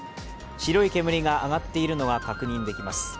白い煙が上がっているのが確認できます。